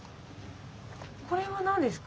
これは何ですか？